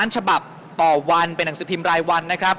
ฉบับต่อวันเป็นหนังสือพิมพ์รายวันนะครับ